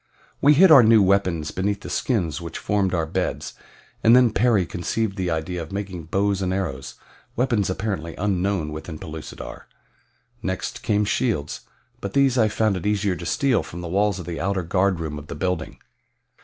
We hid our new weapons beneath the skins which formed our beds, and then Perry conceived the idea of making bows and arrows weapons apparently unknown within Pellucidar. Next came shields; but these I found it easier to steal from the walls of the outer guardroom of the building.